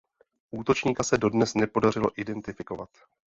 Útočníka se dodnes nepodařilo identifikovat.